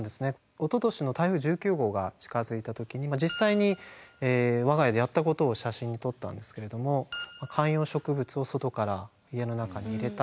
おととしの台風１９号が近づいた時に実際に我が家でやったことを写真に撮ったんですけれども観葉植物を外から家の中に入れたりですね